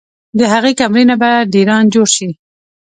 د هغې کمرې نه به ډېران جوړ شي